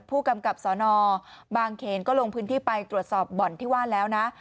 ผู้กำกับสนบางเขนก็ลงพื้นที่ไปตรวจสอบบ่อนที่ว่าแล้วนะ